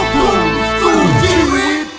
ครับ